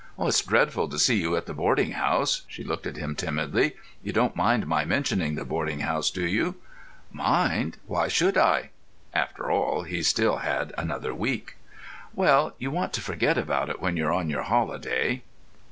"It's dreadful to see you at the boarding house." She looked at him timidly. "You don't mind my mentioning the boarding house, do you?" "Mind? Why should I?" (After all, he still had another week.) "Well, you want to forget about it when you're on your holiday."